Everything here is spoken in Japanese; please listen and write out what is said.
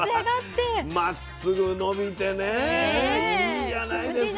これはまっすぐ伸びてねいいじゃないですか。